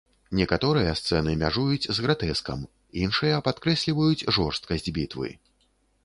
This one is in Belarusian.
Некаторыя сцэны мяжуюць з гратэскам, іншыя падкрэсліваюць жорсткасць бітвы.